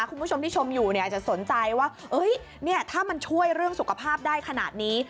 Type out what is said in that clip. คุณผู้ชมที่ชมอยู่เนี่ยอาจจะสนใจว่าถ้ามันช่วยเรื่องสุขภาพได้ขนาดนี้